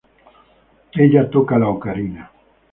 Ella toca la Ocarina.